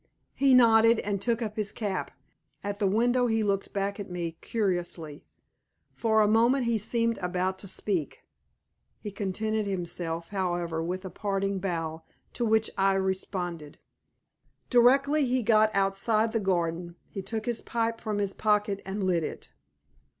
He nodded, and took up his cap. At the window he looked back at me curiously. For a moment he seemed about to speak. He contented himself, however, with a parting bow, to which I responded. Directly he got outside the garden he took his pipe from his pocket and lit it.